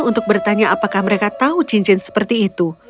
untuk bertanya apakah mereka tahu cincin seperti itu